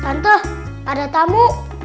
tante ada tamu